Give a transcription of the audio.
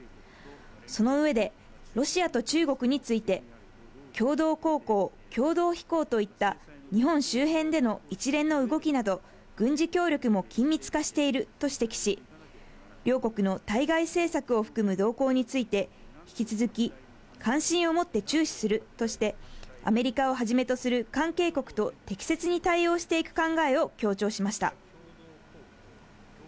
その上でロシアと中国について共同航行、共同飛行といった日本周辺での一連の動きなど軍事協力も緊密化していると指摘し、両国の対外政策を含む動向について引き続き監視を持って注視するとして、アメリカをはじめとする関係国と適切に対応していく考えを強調しました。